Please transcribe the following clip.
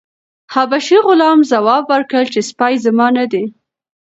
حبشي غلام ځواب ورکړ چې سپی زما نه دی.